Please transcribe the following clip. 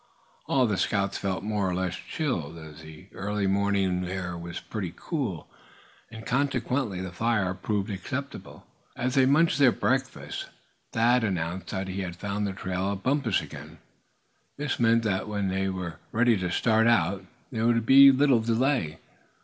All of the scouts felt more or less chilled, as the early morning air was pretty cool, and consequently the fire proved acceptable. As they munched their breakfast Thad announced that he had found the trail of Bumpus again. This meant that when they were ready to start out, there would be little delay.